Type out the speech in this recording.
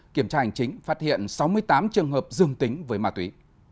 kiểm tra hành chính phát hiện sáu mươi tám trường hợp dương tính với ma túy